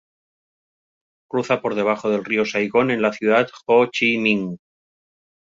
Cruza por debajo del río Saigón en la Ciudad Ho Chi Minh.